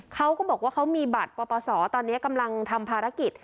เขาก็บอกว่าเขามีบัตรปปศตอนนี้กำลังทำภารกิจ